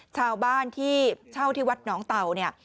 ชาวบ้านที่เช่าที่วัดหนองเต่าเนี่ย